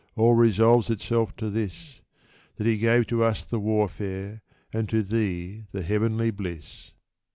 All resolves itself to this— That He gave to us the warfare, and to thee the heavenly bliss.